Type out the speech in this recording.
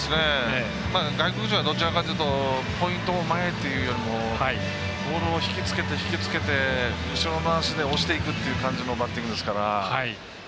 外国人はどちらかというとポイントも前というよりもボールをひきつけてひきつけて後ろの足で押していくっていう感じのバッティングですから。